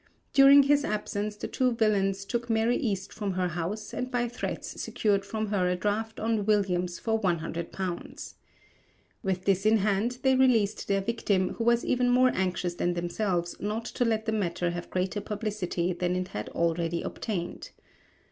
During his absence the two villains took Mary East from her house and by threats secured from her a draft on Williams for £100. With this in hand they released their victim who was even more anxious than themselves not to let the matter have greater publicity than it had already obtained.